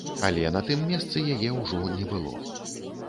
Але на тым месцы яе ўжо не было.